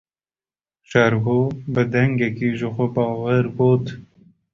Şêrgo bi dengekî jixwebawer got.